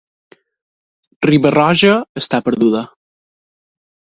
Riba-roja està perduda.